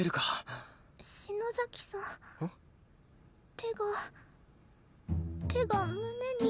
手が手が胸に。